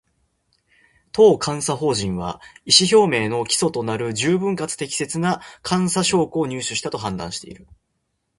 当監査法人は、意見表明の基礎となる十分かつ適切な監査証拠を入手したと判断している